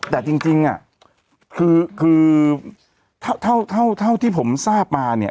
แต่จริงคือเท่าที่ผมทราบมาเนี่ย